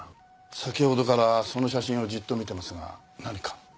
先ほどからその写真をじっと見てますが何か？